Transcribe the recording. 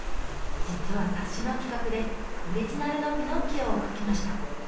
実は雑誌の企画でオリジナルのピノッキオを描きました。